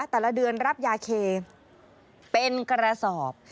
แต่ละเดือนรับยาเคเป็นกระสอบ